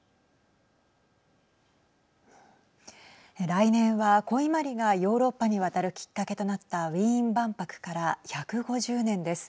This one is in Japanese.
来年は、古伊万里がヨーロッパに渡るきっかけとなったウィーン万博から１５０年です。